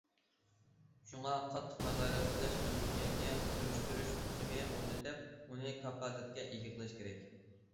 شۇڭا قاتتىق نازارەت قىلىش، مەسئۇلىيەتنى سۈرۈشتۈرۈش تۈزۈمى ئورنىتىپ، ئۇنى كاپالەتكە ئىگە قىلىش كېرەك.